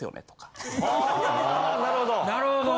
あなるほど！